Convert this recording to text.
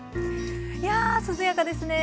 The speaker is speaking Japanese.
や涼やかですね。